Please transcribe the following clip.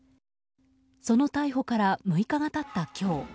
その逮捕から６日が経った今日。